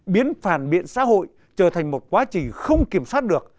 biến phản biện xã hội trở thành một quá trình không kiểm soát được